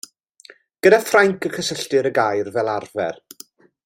Gyda Ffrainc y cysylltir y gair fel arfer.